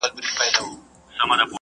جګړه د څو ساعتونو لپاره روانه وه.